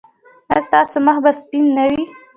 ایا ستاسو مخ به سپین نه وي؟